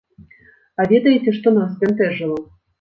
А ведаеце, што нас збянтэжыла?